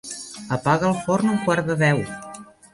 Apaga el forn a un quart de deu.